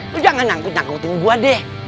lu jangan nyangkut nyangkutin gue deh